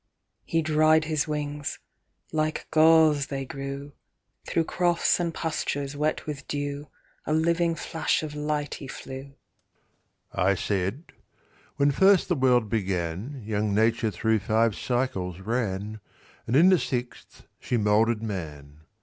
"He dried his wings: like gauze they grew: Thro' crofts and pastures wet with dew A living flash of light he flew." I said, "When first the world began Young Nature thro' five cycles ran, And in the sixth she moulded man.